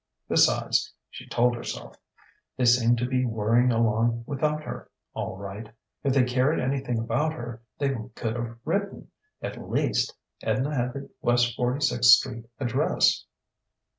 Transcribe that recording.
Besides (she told herself) they seemed to be worrying along without her, all right. If they cared anything about her, they could have written, at least; Edna had the West Forty sixth Street address....